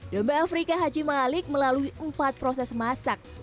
domba afrika haji malik melalui empat proses masak